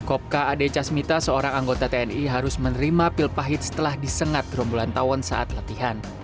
kopka ade casmita seorang anggota tni harus menerima pil pahit setelah disengat gerombolan tawon saat latihan